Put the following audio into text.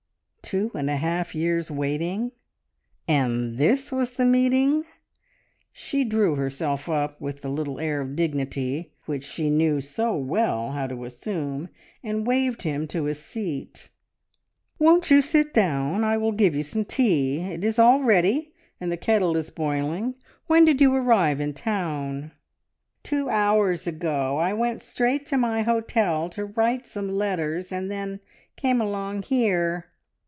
Two and a half years' waiting, and this was the meeting! She drew herself up, with the little air of dignity which she knew so well how to assume, and waved him to a seat. "Won't you sit down? I will give you some tea. It is all ready, and the kettle is boiling. When did you arrive in town?" "Two hours ago. I went straight to my hotel to write some letters, and then came along here.